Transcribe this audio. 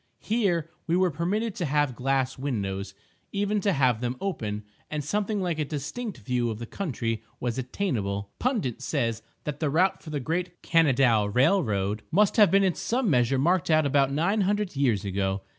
Here we were permitted to have glass windows—even to have them open—and something like a distinct view of the country was attainable.... Pundit says that the route for the great Kanadaw railroad must have been in some measure marked out about nine hundred years ago!